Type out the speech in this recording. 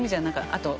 あと